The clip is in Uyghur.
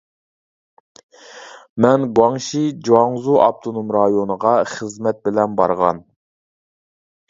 مەن گۇاڭشى جۇاڭزۇ ئاپتونوم رايونىغا خىزمەت بىلەن بارغان.